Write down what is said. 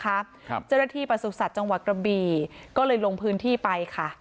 ครับเจ้าหน้าที่ประสุทธิ์สัตว์จังหวัดกระบีก็เลยลงพื้นที่ไปค่ะ